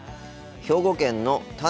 兵庫県のた